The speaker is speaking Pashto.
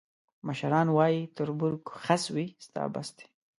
مشران وایي: تربور که خس وي، ستا بس دی.